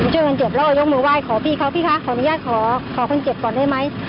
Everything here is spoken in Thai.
เจ้าหน้าเจ็บโร่ยกมือไหว้ขอพี่เขาพี่คะขออนุญาตขอคนเจ็บก่อนได้ไหม